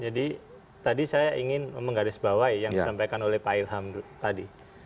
jadi tadi saya ingin menggarisbawahi yang disampaikan oleh pak ilham tadi